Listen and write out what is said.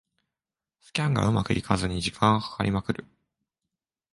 スキャンがうまくいかずに時間がかかりまくる